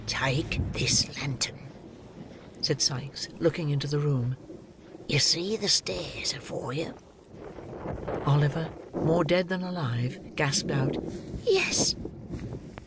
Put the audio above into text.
"Take this lantern," said Sikes, looking into the room. "You see the stairs afore you?" Oliver, more dead than alive, gasped out, "Yes."